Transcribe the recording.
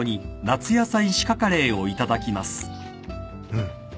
うん。